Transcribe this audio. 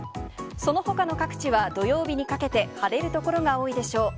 そのほかの各地は土曜日にかけて晴れる所が多いでしょう。